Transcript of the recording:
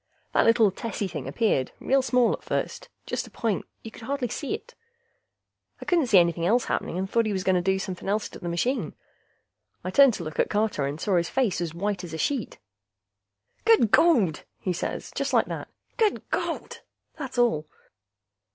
That little tessy thing appeared, real small at first. Just a point; you could hardly see it. I couldn't see anything else happening, and thought he was gonna do somepin' else to the machine. I turned to look at Carter, and saw his face was white as a sheet. "Good Gawd!" he says, just like that: "Good Gawd!" That's all.